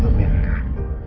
udah biar enggak